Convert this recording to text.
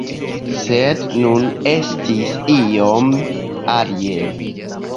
Sed nun estis iom alie.